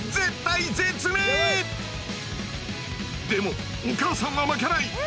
でもお母さんは負けない！